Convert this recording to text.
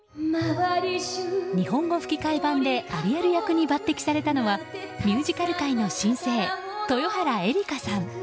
日本語吹き替え版でアリエル役に抜擢されたのはミュージカル界の新星豊原江理佳さん。